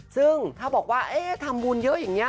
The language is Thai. ซึ่งถ้าบอกว่าทำบุญเยอะอย่างนี้